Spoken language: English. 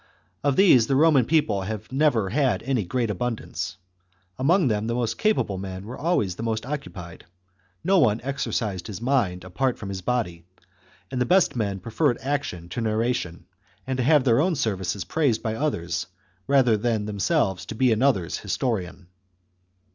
Of these the Roman people have never had any great abundance ; among them the most capable men were, always the most occupied, no one exercised his mind apart from his body, and the best men preferred action to narration, and to have their own services praised 8 THE CONSPIRACY OF CATILINE. CHAP, by others rather than themselves to be another's historian.